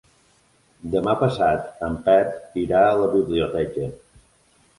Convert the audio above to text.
Demà passat en Pep irà a la biblioteca.